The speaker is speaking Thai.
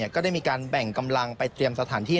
ก็ได้มีการแบ่งกำลังไปเตรียมสถานที่